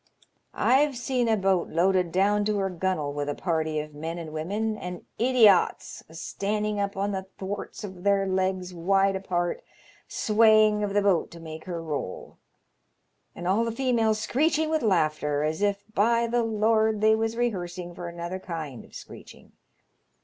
I've seen a boat loaded down to 150 'LONGSIIOREMAN'8 YARNS. her gun'nel with a party of men and women, and ideols a standing up on the thwarts with their legs wide apart swaying of the boat to make her roll, and all the females screeching with laughter, as if, by the Lord, they was rehearsing for another kind of screeching.